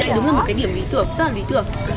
vì đây đúng là một cái điểm lý tưởng rất là lý tưởng